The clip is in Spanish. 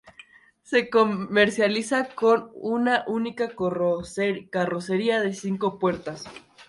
Se comercializa con una única carrocería de cinco puertas.